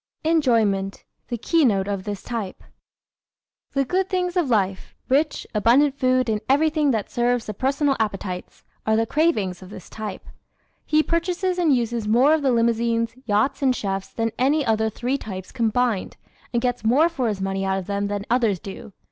Enjoyment the Keynote of This Type ¶ The good things of life rich, abundant food and everything that serves the personal appetites are the cravings of this type. He purchases and uses more of the limousines, yachts and chefs than any other three types combined, and gets more for his money out of them than others do.